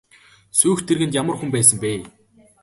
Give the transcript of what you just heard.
Сүйх тэргэнд ямар хүн байсан бэ?